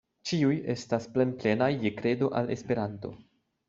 Ĉiuj estas plen-plenaj je kredo al Esperanto.